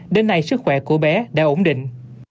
đến nay sức khỏe của bé đã ổn định